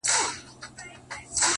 ددغه خلگو په كار؛ كار مه لره؛